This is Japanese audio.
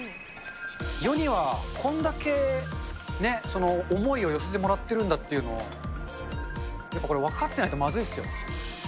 世にはこんだけ思いを寄せてもらってるんだっていうのをやっぱこれ、分かってないとまずいですよ。